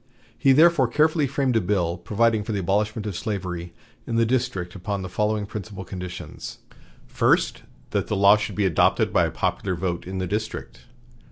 He therefore carefully framed a bill providing for the abolishment of slavery in the District upon the following principal conditions: First. That the law should be adopted by a popular vote in the District.